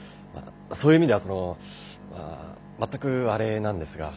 そういう意味ではその全くあれなんですが。